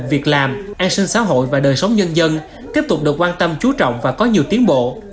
việc làm an sinh xã hội và đời sống nhân dân tiếp tục được quan tâm chú trọng và có nhiều tiến bộ